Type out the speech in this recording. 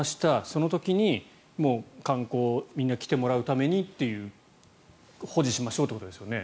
その時に観光にみんな来てもらうために保持しましょうっていうことですよね。